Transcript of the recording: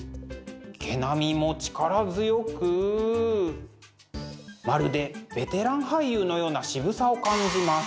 毛並みも力強くまるでベテラン俳優のような渋さを感じます。